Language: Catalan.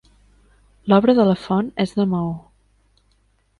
L'obra de la font és de maó.